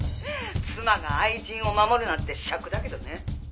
妻が愛人を守るなんて癪だけどね」